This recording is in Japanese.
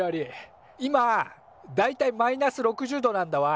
今だいたいマイナス６０度なんだわ。